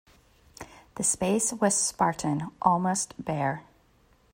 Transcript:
The space was spartan, almost bare.